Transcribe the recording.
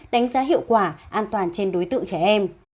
đánh giá hiệu quả an toàn trên đối tượng trẻ em